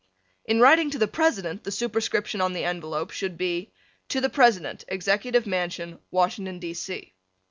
In writing to the President the superscription on the envelope should be To the President, Executive Mansion, Washington, D. C.